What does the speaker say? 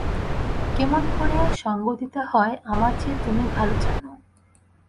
কেমন করিয়া সঙ্গ দিতে হয়, আমার চেয়ে তুমি ভালো জান।